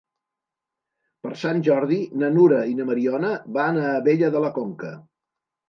Per Sant Jordi na Nura i na Mariona van a Abella de la Conca.